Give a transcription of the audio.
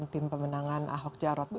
tim pemenangan ahok jarot